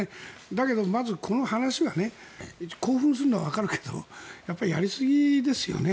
だけど、まずこの話は興奮するのはわかるけどやっぱりやりすぎですよね。